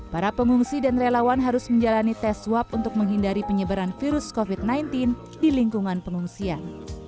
para pengungsi dan relawan harus menjalani tes swab untuk menghindari penyebaran virus covid sembilan belas di lingkungan pengungsian